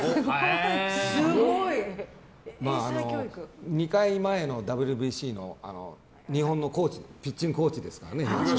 すごい！２回前のＷＢＣの、日本のピッチングコーチですからね。